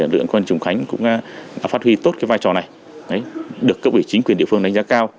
lượng quân trùng khánh cũng phát huy tốt vai trò này được cộng vệ chính quyền địa phương đánh giá cao